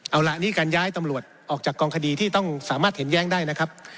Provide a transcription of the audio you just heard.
เอาล่ะนี่การย้ายตำรวจออกจากกองคดีที่ต้องสามารถเห็นแย้งได้นะครับ